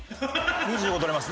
２５取れます。